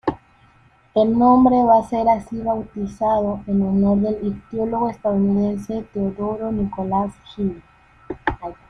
El nombre va ser así bautizado en honor del ictiólogo estadounidense Theodore Nicholas Gill.